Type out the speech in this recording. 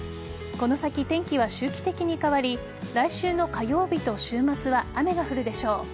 この先、天気は周期的に変わり来週の火曜日と週末は雨が降るでしょう。